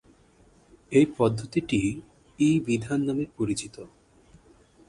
এই পদ্ধতিটি "ই-বিধান" নামে পরিচিত।